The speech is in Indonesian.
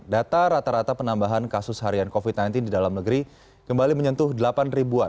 data rata rata penambahan kasus harian covid sembilan belas di dalam negeri kembali menyentuh delapan ribuan